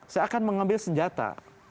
saya akan mengambil senjata